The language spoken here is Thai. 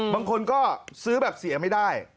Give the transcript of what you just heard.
บางคนก็ซื้อแบบเสียไม่ได้